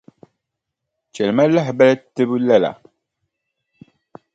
Chɛli ma lahabali tibu lala.